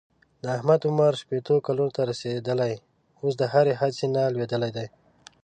د احمد عمر شپېتو کلونو ته رسېدلی اوس د هرې هڅې نه لوېدلی دی.